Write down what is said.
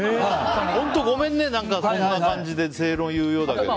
本当、ごめんねなんかこんな感じで正論言うようだけど。